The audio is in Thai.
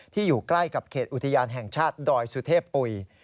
อยู่ใกล้กับเขตอุทยานแห่งชาติดอยสุเทพปุ๋ย